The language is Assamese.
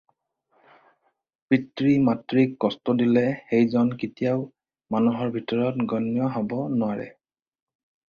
পিতৃ মাতৃক কষ্ট দিলে সেই জন কেতিযাও মানুহৰ ভিতৰত গণ্য হ'ব নোৱাৰে।